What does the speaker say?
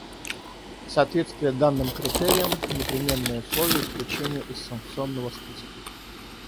Соответствие данным критериям — непременное условие исключения из санкционного списка.